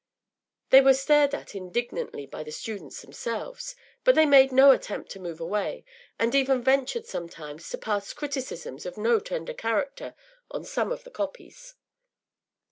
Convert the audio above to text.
They were stared at indignantly by the students themselves, but they made no attempt to move away, and even ventured sometimes to pass criticisms of no tender character on some of the copies.